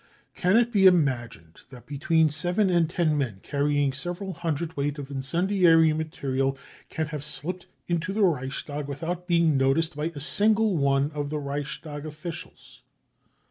Can it be imagined that ' between seven and ten men carrying several hundred weight of incendiary material can have slipped into the Reichstag without being noticed by a single one of the Reichstag officials